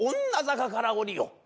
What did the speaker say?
女坂から降りよ。